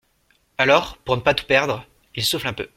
Alors, pour ne pas tout perdre, il souffle un peu.